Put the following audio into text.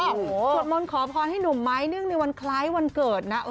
สวดมนต์ขอพรให้หนุ่มไม้เนื่องในวันคล้ายวันเกิดนะ